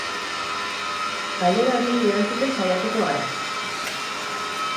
Galdera horiei erantzuten saiatuko gara.